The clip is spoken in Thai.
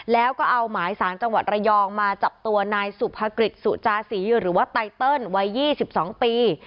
แล้วก็เอาหมายสารจังหวัดระยองมาจับตัวนายสุภกฤษสุจาศีหรือว่าไตเติลวัย๒๒ปี